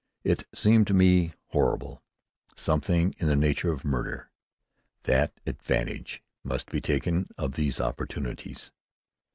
It seemed to me horrible, something in the nature of murder, that advantage must be taken of these opportunities.